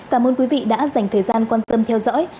cảm ơn quý vị đã dành thời gian quan tâm theo dõi